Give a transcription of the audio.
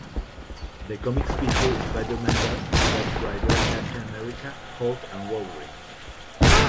The comics feature Spider-Man, Ghost Rider, Captain America, Hulk and Wolverine.